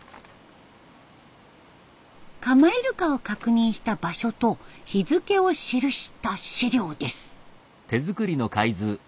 カマイルカを確認した場所と日付を記した資料です。